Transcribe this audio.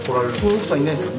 奥さんいないですよ